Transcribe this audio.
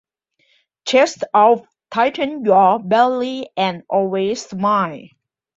Chest out, tighten your belly and always smile.